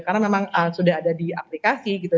karena memang sudah ada di aplikasi gitu